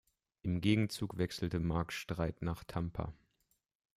Im Gegenzug wechselte Mark Streit nach Tampa.